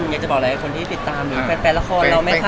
คุณจะบอกอะไรให้คนที่ติดตามแฟนละครเราไหมคะ